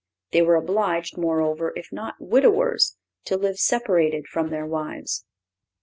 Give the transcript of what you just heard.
They were obliged, moreover, if not widowers, to live separated from their wives.